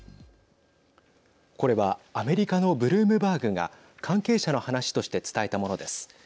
これはアメリカのブルームバーグが関係者の話として伝えたものです。